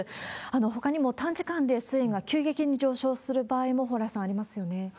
ほかにも短時間で水位が急激に上昇する場合も、蓬莱さん、ありますよね。